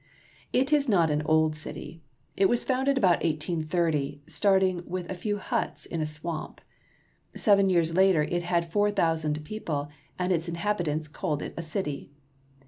It is not an old city. It was founded about 1830, starting with a few huts in a swamp. Seven years later it had four thousand people, and its inhabitants called it a city.